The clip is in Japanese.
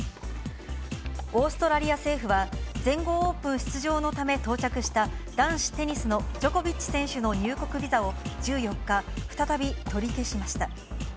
オーストラリア政府は、全豪オープン出場のため到着した男子テニスのジョコビッチ選手の入国ビザを１４日、再び取り消しました。